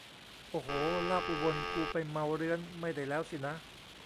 โอ้โห ลาบอุบลกู ไปเมาเรื้อนไม่ได้แล้วสินะ